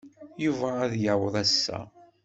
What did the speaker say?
Yuba ad d-yaweḍ ass-a.